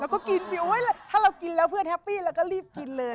ก็กินสิถ้าเรากินแล้วเพื่อนแฮปปี้เราก็รีบกินเลย